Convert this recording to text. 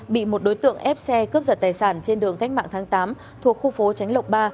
bị một đối tượng ép xe cướp giật tài sản trên đường cách mạng tháng tám thuộc khu phố tránh lộc ba